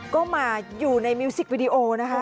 ก็มาอยู่ในมิวสิกวิดีโอนะคะ